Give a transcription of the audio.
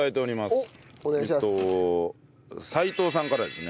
えっと斎藤さんからですね。